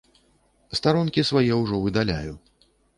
Старонкі свае ўжо выдаляю.